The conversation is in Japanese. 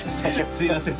すみません。